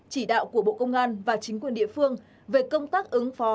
chỉ đạo của bộ công an và chính quyền địa phương về công tác ứng phó